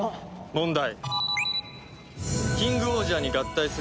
問題。